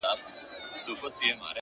• علم ته تلکه سوه عقل لاري ورکي کړې,